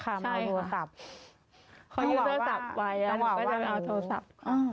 เขายืนโทรศัพท์ไปหนูก็จะไปเอาโทรศัพท์